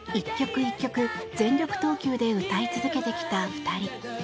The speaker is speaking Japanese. １曲全力投球で歌い続けてきた２人。